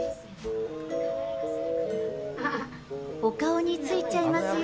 お顔についちゃいますよ。